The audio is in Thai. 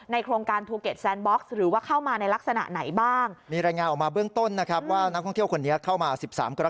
ในโครงการภูเก็ตแซนบ็อกซ์